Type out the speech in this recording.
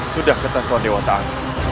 sudah ketentuan dewa taat